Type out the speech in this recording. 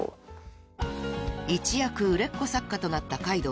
［一躍売れっ子作家となった海堂さん］